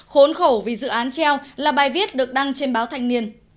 khốn khổ vì dự án treo là bài viết được đăng trên báo thanh niên